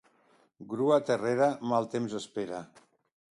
Grua terrera, mal temps espera.